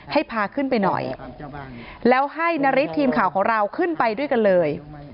ให้พาขึ้นไปหน่อยแล้วให้นาริสทีมข่าวของเราขึ้นไปด้วยกันเลย